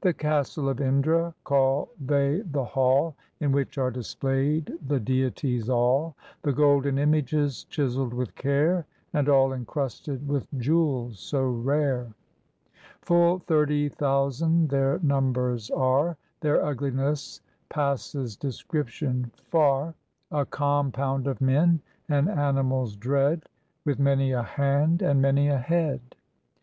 The "Castle of Indra" call they the hall, In which are displayed the deities all, The golden images, chiseled with care, And all incrusted with jewels so rare. Full thirty thousand their numbers are: Their ughness passes description far; 269 SIAM A compound of men and animals dread, With many a hand and many a head.